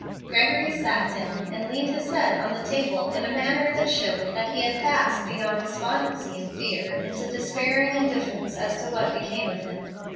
Gregory sat down and leaned his head on the table in a manner that showed he had passed beyond despondency and fear into despairing indifference as to what became of him.